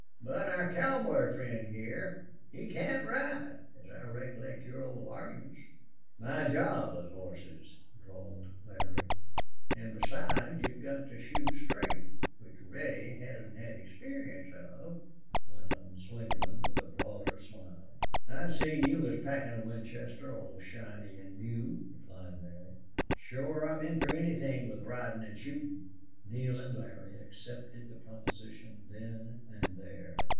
But our cowboy friend hyar, he can't ride, as I recollect your old argyments." "My job was hosses," drawled Larry. "An' besides, you've got to shoot straight, which Reddy hasn't hed experience of," went on Slingerland, with a broader smile. "I seen you was packin' a Winchester all shiny an' new," replied Larry. "Shore I'm in fer anythin' with ridin' an' shootin'." Neale and Larry accepted the proposition then and there.